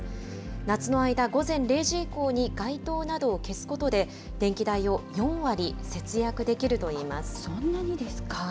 夏の間、午前０時以降に街灯などを消すことで、電気代を４割節約そんなにですか。